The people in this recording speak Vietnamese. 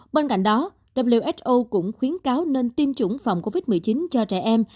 bên cạnh đó who cũng khuyến cáo nên tiêm chủng phòng covid một mươi chín cho trẻ em